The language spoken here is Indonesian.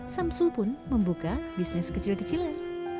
samsul pun membuka bisnis kecil kecilan